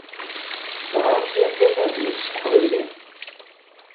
Teɣṛamt yakan adlis s teqbaylit?